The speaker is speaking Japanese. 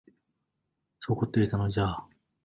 そう凝っていたのじゃ間職に合うまい、と云ってくれる友人がある